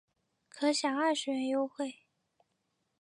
可享二十元优惠